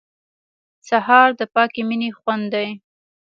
سهار د پاکې مینې خوند دی.